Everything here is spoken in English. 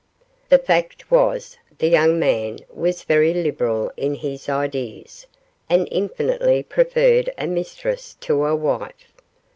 The fact was, the young man was very liberal in his ideas, and infinitely preferred a mistress to a wife.